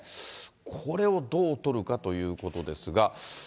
これをどう取るかということですが。